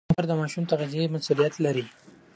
مور او پلار د ماشوم د تغذیې مسؤلیت لري.